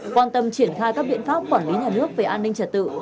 quan tâm triển khai các biện pháp quản lý nhà nước về an ninh trật tự